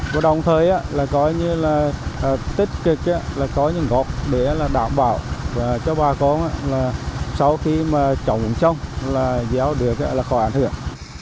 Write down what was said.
và đồng thời tích cực là có những gọt để đảm bảo cho bà con sau khi trồng trong gieo được là khó ảnh hưởng